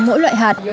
mỗi loại hạt